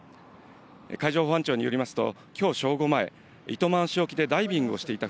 海上保安庁によりますと、きょう正午前、糸満市沖でダイビングをしていた